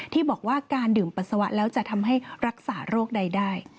ที่บอกว่าการดื่มปัสสาวะแล้วจะทำให้รักษาโรคใดได้